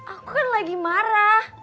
aku kan lagi marah